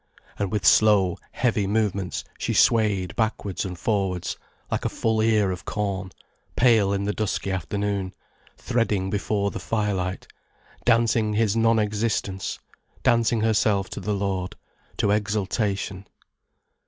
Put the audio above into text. And with slow, heavy movements she swayed backwards and forwards, like a full ear of corn, pale in the dusky afternoon, threading before the firelight, dancing his non existence, dancing herself to the Lord, to exultation.